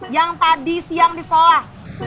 yang tadi siang di sekolah